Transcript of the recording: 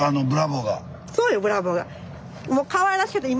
そうよブラボーが。